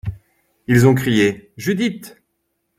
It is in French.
Ils ont crié : Judith !